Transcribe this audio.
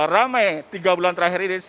ramai tiga bulan terakhir ini